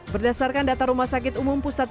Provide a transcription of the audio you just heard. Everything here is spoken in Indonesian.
berdasarkan data rumah sakit umum pusat